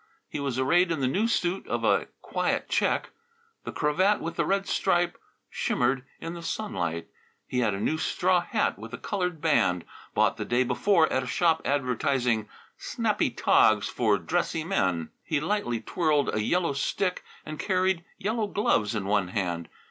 He was arrayed in the new suit of a quiet check. The cravat with the red stripe shimmered in the sunlight. He had a new straw hat with a coloured band, bought the day before at a shop advertising "Snappy Togs for Dressy Men." He lightly twirled a yellow stick and carried yellow gloves in one hand.